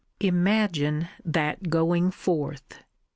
Imagine that going forth!